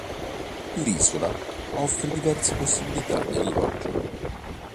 L'isola offre diverse possibilità di alloggio.